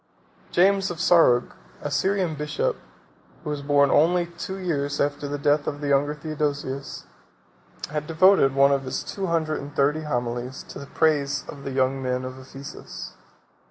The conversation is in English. James of Sarug, a Syrian bishop, who was born only two years after the death of the younger Theodosius, has devoted one of his two hundred and thirty homilies to the praise of the young men of Ephesus.